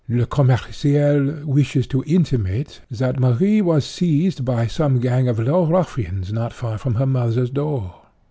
Le Commerciel wishes to intimate that Marie was seized by some gang of low ruffians not far from her mother's door.